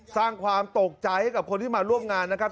สร้างความตกใจผู้ที่มาร่วมงานนะครับ